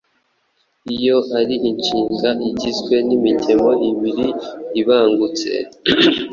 iyo ari inshinga igizwe n’imigemo ibiri ibangutse,